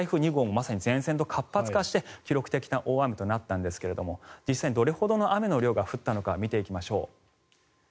まさに前線が活発化して記録的な大雨となったんですが実際にどれほどの雨の量が降ったのか見ていきましょう。